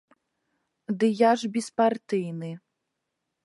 Ды я ж беспартыйны.